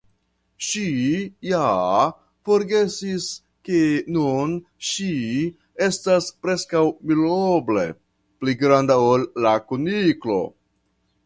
Ŝi ja forgesis ke nun ŝi estas preskaŭ miloble pli granda ol la Kuniklo.